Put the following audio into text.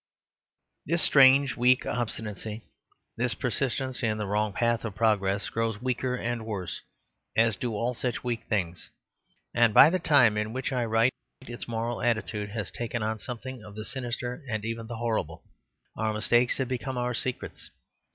This strange, weak obstinacy, this persistence in the wrong path of progress, grows weaker and worse, as do all such weak things. And by the time in which I write its moral attitude has taken on something of the sinister and even the horrible. Our mistakes have become our secrets.